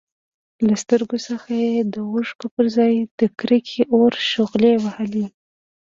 له سترګو څخه يې د اوښکو پرځای د کرکې اور شغلې وهلې.